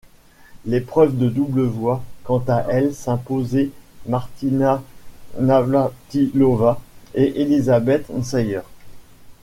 L'épreuve de double voit quant à elle s'imposer Martina Navrátilová et Elizabeth Sayers.